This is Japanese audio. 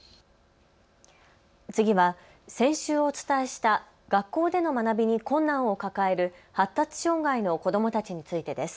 次は先週お伝えした学校での学びに困難を抱える発達障害の子どもたちについてです。